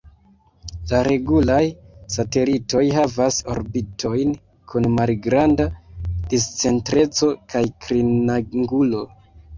La regulaj satelitoj havas orbitojn kun malgranda discentreco kaj klinangulo.